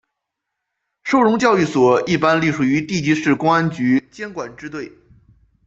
收容教育所一般隶属于地级市公安局监管支队。